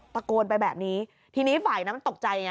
ตะโกนไปแบบนี้ทีนี้ฝ่ายนั้นมันตกใจไง